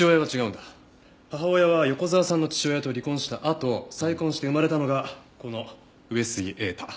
母親は横沢さんの父親と離婚したあと再婚して生まれたのがこの上杉栄太。